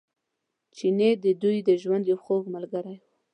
چیني د دوی د ژوند یو خوږ ملګری و.